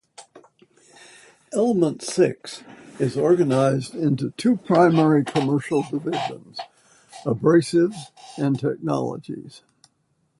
Element Six is organized into two primary commercial divisions - Abrasives and Technologies.